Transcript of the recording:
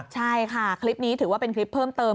ใช่ค่ะคลิปนี้ถือว่าเป็นคลิปเพิ่มเติม